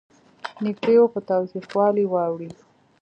نېږدې و په تاوتریخوالي واوړي.